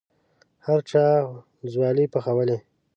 هر چا ځوالې پخولې.